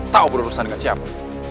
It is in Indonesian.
tau berurusan dengan siapa